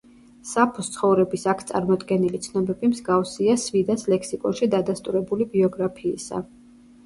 საფოს ცხოვრების აქ წარმოდგენილი ცნობები მსგავსია სვიდას ლექსიკონში დადასტურებული ბიოგრაფიისა.